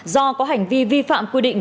do có hành vi vi phạm quy định